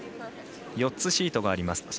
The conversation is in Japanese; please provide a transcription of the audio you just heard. ４つシートがあります。